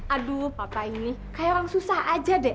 aduh papa ini kayak orang susah aja deh